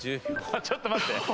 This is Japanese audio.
ちょっと待って。